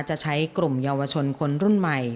จะใช้กลุ่มเยาวชนคนรุ่นใหม่